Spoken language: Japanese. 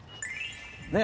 ねえ。